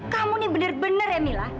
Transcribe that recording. kamu nih bener bener ya mila